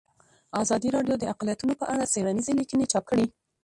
ازادي راډیو د اقلیتونه په اړه څېړنیزې لیکنې چاپ کړي.